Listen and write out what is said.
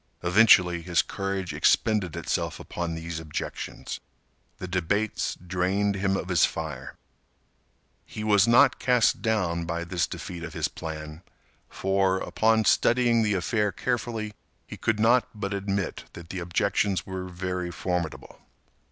Eventually, his courage expended itself upon these objections. The debates drained him of his fire. He was not cast down by this defeat of his plan, for, upon studying the affair carefully, he could not but admit that the objections were very formidable.